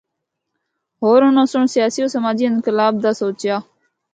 ہور اناں سنڑ سیاسی و سماجی انقلاب دا سوچیا۔